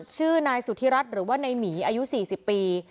ชื่อนายสุธิรัตน์หรือว่าในหมีอายุสี่สิบปี